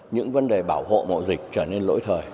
những vấn đề bảo hộ mộ dịch trở nên lỗi thời